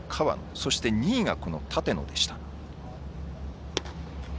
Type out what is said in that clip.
そして２位が立野でした。